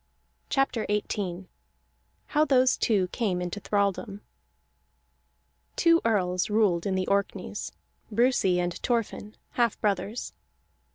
CHAPTER XVIII HOW THOSE TWO CAME INTO THRALDOM Two earls ruled in the Orkneys: Brusi and Thorfinn, half brothers.